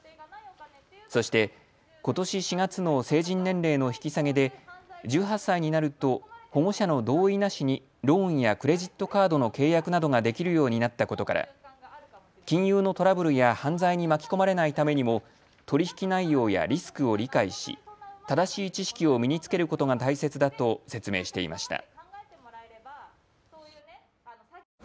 そして、ことし４月の成人年齢の引き下げで、１８歳になると保護者の同意なしにローンやクレジットカードなどの契約などができるようになったことから、金融のトラブルや犯罪に巻き込まれないためにも、取り引き内容やリスクを理解し、正しい知識を身につけることが大切だと説明していました。